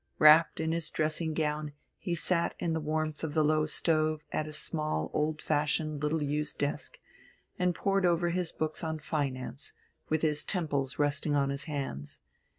Wrapped in his dressing gown, he sat in the warmth of the low stove at his small, old fashioned, little used desk, and pored over his books on finance, with his temples resting in his hands.